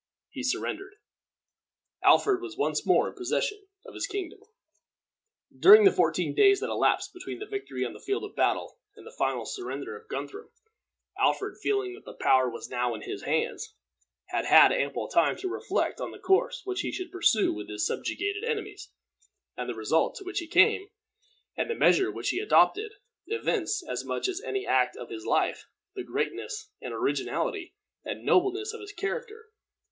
He surrendered. Alfred was once more in possession of his kingdom. During the fourteen days that elapsed between the victory on the field of battle and the final surrender of Guthrum, Alfred, feeling that the power was now in his hands, had had ample time to reflect on the course which he should pursue with his subjugated enemies; and the result to which he came, and the measure which he adopted, evince, as much as any act of his life, the greatness, and originality, and nobleness of his character.